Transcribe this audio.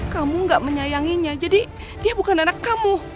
kamu gak menyayanginya jadi dia bukan anak kamu